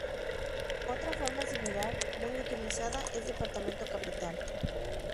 Otra forma similar muy utilizada es departamento Capital;